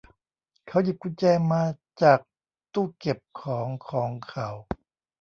เขาหยิบกุญแจมาจากตู้เก็บของของเขา